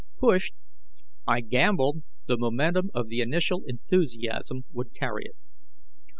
Pushed. I gambled the momentum of the initial enthusiasm would carry it.